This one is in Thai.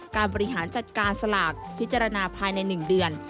บริหารจัดการสลากพิจารณาภายใน๑เดือน